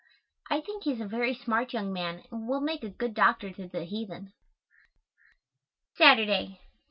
I think he is a very smart young man and will make a good doctor to the heathen. _Saturday.